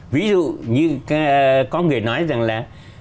ví dụ như có người nói rằng là